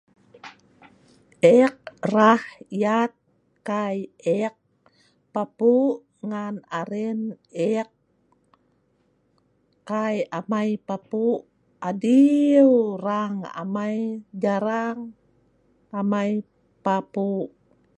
Ek rah yah kai ek papu ngan aren ek, abin amai adiu rang.jarang amai papu